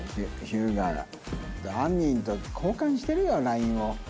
日向があんにんと交換してるよＬＩＮＥを。